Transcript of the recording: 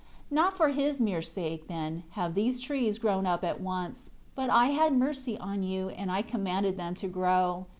9 Not for his mere sake, then, have these trees grown up at once; but I had mercy on you and I commanded them to grow.